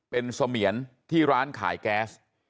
เป็นเสมียนที่ร้านขายแก๊ส